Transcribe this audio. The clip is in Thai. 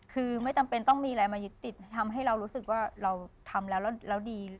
คือไม่จำเป็นต้องมีอะไรมายึดติดทำให้เรารู้สึกว่าเราทำแล้วแล้วดี